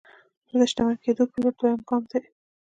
دا د شتمن کېدو پر لور دويم ګام دی.